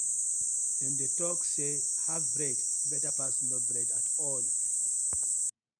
Dem dey tok say haf bread betta pass no bread atol.